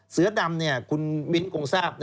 เสือดำเนี่ยคุณบินกงซาบ